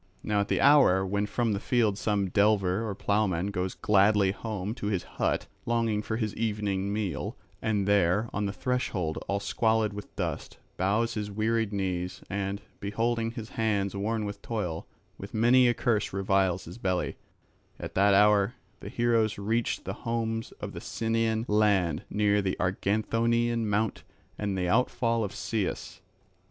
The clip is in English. Now at the hour when from the field some delver or ploughman goes gladly home to his hut, longing for his evening meal, and there on the threshold, all squalid with dust, bows his wearied knees, and, beholding his hands worn with toil, with many a curse reviles his belly; at that hour the heroes reached the homes of the Cianian land near the Arganthonian mount and the outfall of Cius.